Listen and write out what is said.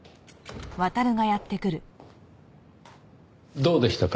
どうでしたか？